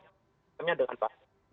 sebenarnya dengan pas